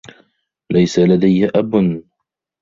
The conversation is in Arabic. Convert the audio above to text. ليس لديّ أب.